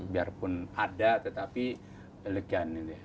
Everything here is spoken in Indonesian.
biarpun ada tetapi elegan ini